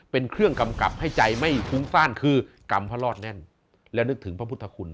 เป็นเครื่องกำกับให้ใจไม่ฟุ้งฟ่านคือกรรมพระรอดแน่นและนึกถึงพระพุทธคุณ